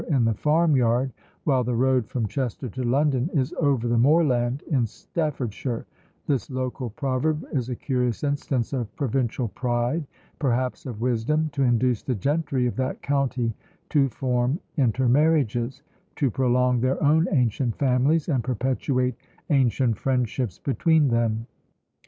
in the farm yard, while the road from Chester to London is over the moorland in Staffordshire: this local proverb is a curious instance of provincial pride, perhaps of wisdom, to induce the gentry of that county to form intermarriages; to prolong their own ancient families, and perpetuate ancient friendships between them.